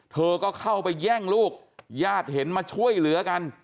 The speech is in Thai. เธอก็เข้าไปแย่งลูกญาติเห็นมาช่วยเหลือกัน